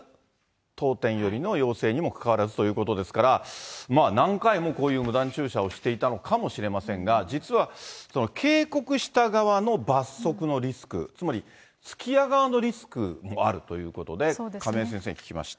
当店よりの要請にもかかわらずということですから、何回もこういう無断駐車をしていたのかもしれませんが、実は警告した側の罰則のリスク、つまり、すき家側のリスクもあるということで、亀井先生に聞きました。